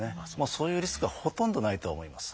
そういうリスクはほとんどないとは思います。